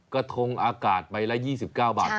กระทงอากาศใบละ๒๙บาท